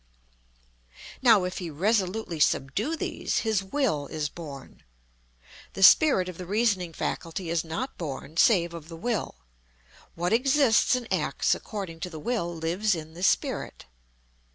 Now, if he resolutely subdue these, his Will is born. "The spirit of the Reasoning faculty is not born, save of the Will. ... what exists and acts according to the Will lives in the spirit."